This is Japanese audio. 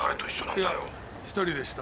いや１人でした。